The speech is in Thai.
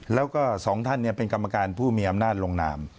แล้วก็๒ท่านเนี่ยเป็นกรรมการผู้มีอำนาจโรงนาม